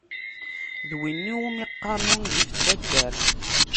D winna iwmi qqaren ungif n taddart.